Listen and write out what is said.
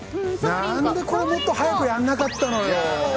何でもっと早くやらなかったのよ。